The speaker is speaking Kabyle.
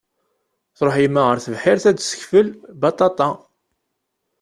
Tṛuḥ yemma ɣer tebḥirt ad d-tessekfel baṭaṭa.